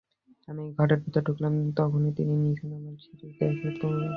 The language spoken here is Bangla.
আমি ঘরের ভেতর ঢুকলাম, তখনি নিচে নোমর একটা সিঁড়ি চোখে পড়ল।